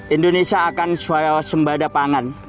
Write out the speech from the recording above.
indonesia akan suai sembahda pangan